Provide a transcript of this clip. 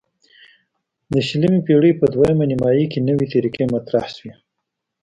د شلمې پیړۍ په دویمه نیمایي کې نوې طریقې مطرح شوې.